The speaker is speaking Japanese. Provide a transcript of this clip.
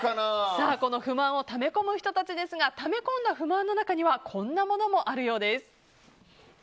この不満をため込む人たちですがため込んだ不満の中にはこんなものもあるようです。